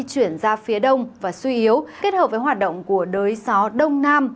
chuyển ra phía đông và suy yếu kết hợp với hoạt động của đới gió đông nam